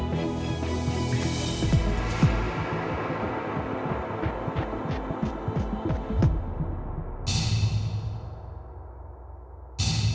ได้ไหมครับ